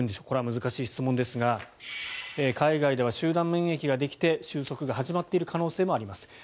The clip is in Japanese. これは難しい質問ですが海外では集団免疫ができて収束が始まっている可能性があります。